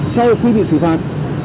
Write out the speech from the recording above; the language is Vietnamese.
sau khi bị xử phạt